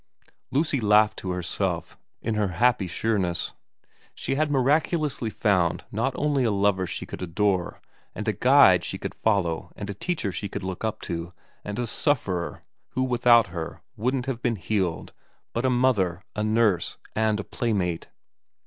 Lucy laughed to herself in her happy sureness. She had miraculously found not only a lover she could adore and a guide she could follow and a teacher she could look up to and a sufferer who without her wouldn't have been healed, but a mother, a nurse, and a play mate.